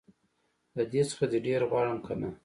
له دې څخه دي ډير غواړم که نه